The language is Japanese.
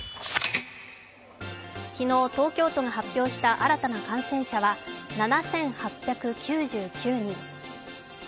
昨日、東京都が発表した新たな感染者は７８９９人。